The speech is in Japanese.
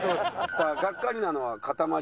さあがっかりなのはかたまり。